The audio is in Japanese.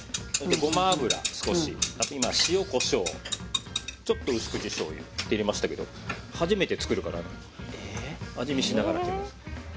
ごま油少し塩こしょうちょっと薄口しょうゆ入れましたけど初めて作るから味見しながら。